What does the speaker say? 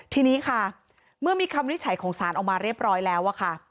ทีนี้ค่ะเมื่อมีคำวินิจฉัยของสารออกมาเรียบร้อยแล้วค่ะ